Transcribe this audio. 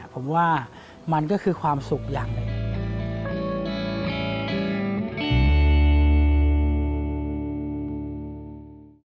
ผมว่ามันก็คือความสุขอย่างหนึ่ง